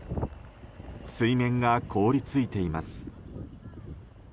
水面が凍り付いています。